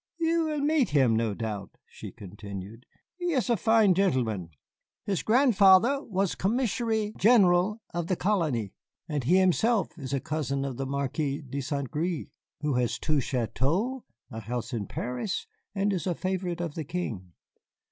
"You will meet him, no doubt," she continued. "He is a very fine gentleman. His grandfather was Commissary general of the colony, and he himself is a cousin of the Marquis de Saint Gré, who has two châteaux, a house in Paris, and is a favorite of the King."